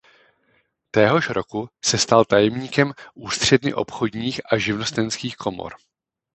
Téhož roku se stal tajemníkem Ústředny obchodních a živnostenských komor.